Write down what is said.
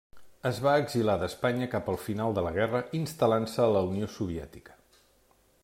Es va exiliar d'Espanya cap al final de la guerra, instal·lant-se a la Unió Soviètica.